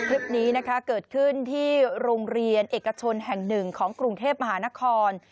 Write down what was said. คลิปนี้นะคะเกิดขึ้นที่โรงเรียนเอกชนแห่งหนึ่งของกรุงเทพมหานคร